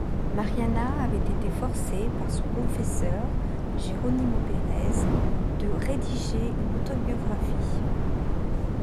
Mariana avait été forcée par son confesseur, Jeronimo Perez, de rédiger une autobiographie.